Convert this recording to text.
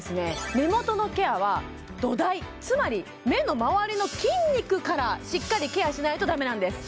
目元のケアは土台つまり目の周りの筋肉からしっかりケアしないとダメなんです